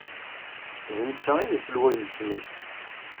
D netta ay d aselway n tesmilt.